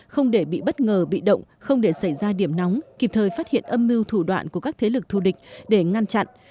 không để bị bất ngờ bị động không để xảy ra điểm nóng kịp thời phát hiện âm mưu thủ đoạn của các thế lực thù địch để ngăn chặn